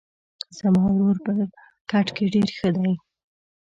زما ورور په کرکټ کې ډېر ښه ده